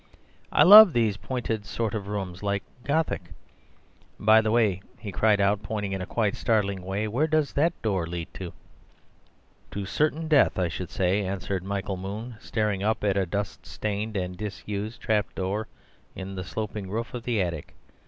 "I love these pointed sorts of rooms, like Gothic. By the way," he cried out, pointing in quite a startling way, "where does that door lead to?" "To certain death, I should say," answered Michael Moon, staring up at a dust stained and disused trapdoor in the sloping roof of the attic.